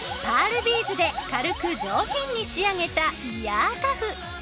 パールビーズで軽く上品に仕上げたイヤーカフ。